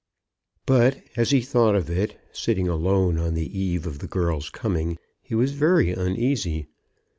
But, as he thought of it, sitting alone on the eve of the girl's coming, he was very uneasy.